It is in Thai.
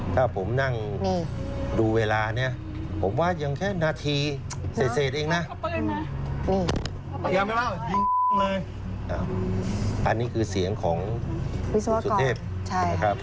ถ้าผมนั่งนี่ดูเวลาเนี้ยผมว่ายังแค่นาทีเสร็จเสร็จเองน่ะอันนี้คือเสียงของวิศวกรใช่ครับ